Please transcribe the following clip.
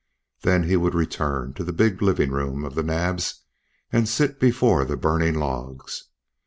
Then he would return to the big living room of the Naabs and sit before the burning logs.